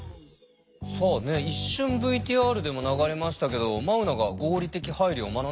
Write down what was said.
さあね一瞬ＶＴＲでも流れましたけど眞生が合理的配慮を学んできてくれたんだよね。